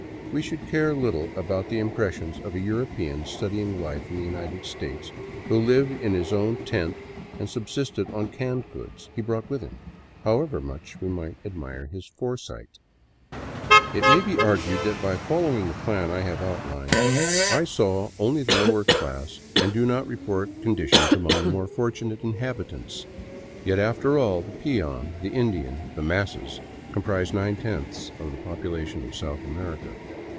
We should care little about the impressions of a European studying life in the United States who lived in his own tent and subsisted on canned goods he brought with him, however much we might admire his foresight. It may be argued that by following the plan I have outlined I saw vii A FOREWORD OF WARNING only the lower class and do not report conditions among the more fortunate inhabitants. Yet after all, the peon, the Indian, the masses, comprise nine tenths of the population of South America.